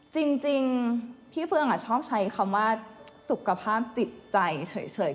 จริงพี่เฟืองชอบใช้คำว่าสุขภาพจิตใจเฉย